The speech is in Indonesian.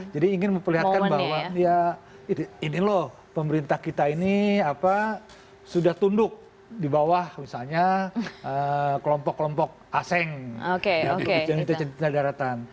jadi ingin memperlihatkan bahwa ini loh pemerintah kita ini sudah tunduk di bawah misalnya kelompok kelompok asing di cina daratan